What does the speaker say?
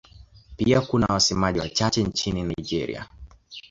Pia kuna wasemaji wachache nchini Nigeria.